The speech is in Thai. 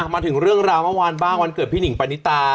มาถึงเรื่องราวเมื่อวานบ้างวันเกิดพี่หนิงปานิตา